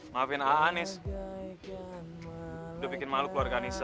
maafin a anies udah bikin malu keluarga anissa